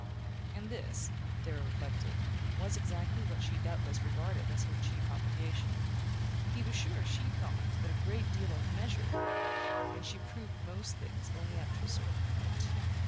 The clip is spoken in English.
And this, Darrow reflected, was exactly what she doubtless regarded as her chief obligation: he was sure she thought a great deal of "measure", and approved of most things only up to a certain point.